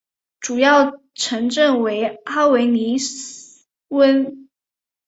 主要城镇为阿维尼翁。